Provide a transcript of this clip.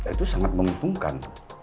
itu sangat menguntungkan